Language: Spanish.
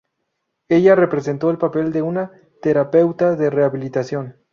Ella representó el papel de una terapeuta de rehabilitación.